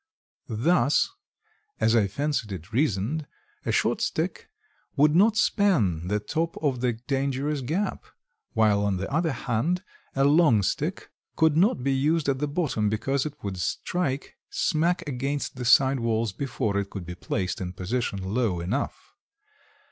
Thus, as I fancied it reasoned, a short stick would not span the top of the dangerous gap; while, on the other hand, a long stick could not be used at the bottom because it would strike smack against the side walls before it could be placed in position low enough.